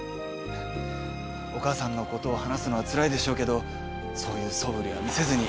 お母さんのことを話すのはつらいでしょうけどそういうそぶりは見せずに。